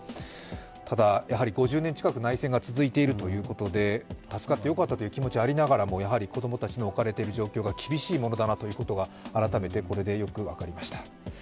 ただやはり５０年近く内戦が続いているということで助かってよかったという気持ちがありながらもやはり子供たちの置かれている状況が厳しいものだなということが改めて、これでよく分かりました。